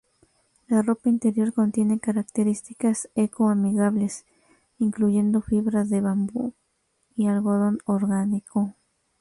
La ropa interior contiene características eco-amigables, incluyendo fibra de bambú y algodón orgánico.